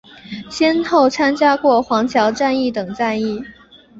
先后参加过黄桥战役等战役。